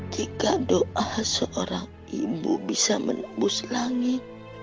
jika doa seorang ibu bisa menembus langit